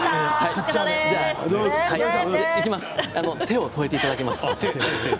右手を添えていただきます。